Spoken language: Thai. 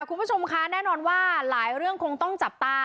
คุณผู้ชมคะแน่นอนว่าหลายเรื่องคงต้องจับตา